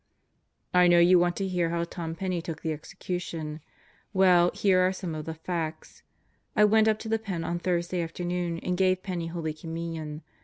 I know you want to hear how Tom Penney took the execution. Well, here are some of the facts. I went up to the Pen on Thursday afternoon and gave Penney Holy Communion.